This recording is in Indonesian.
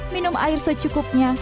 minum air secukupnya